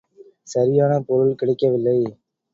சரியான பொருள் கிடைக்கவில்லை.